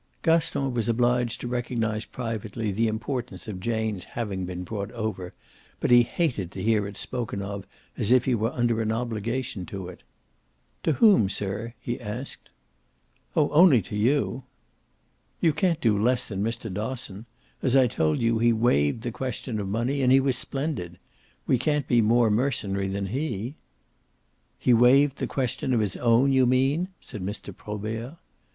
Gaston was obliged to recognise privately the importance of Jane's having been brought over, but he hated to hear it spoken of as if he were under an obligation to it. "To whom, sir?" he asked. "Oh only to you." "You can't do less than Mr. Dosson. As I told you, he waived the question of money and he was splendid. We can't be more mercenary than he." "He waived the question of his own, you mean?" said Mr. Probert.